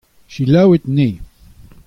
Selaouit anezho.